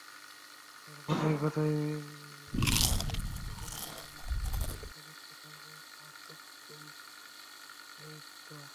যাঁরা কথায় কথায় বিরাজনীতিকরণের অভিযোগ তুলে ধরেন, তাঁদের কথায় রয়েছে মারাত্মক বৈপরীত্য।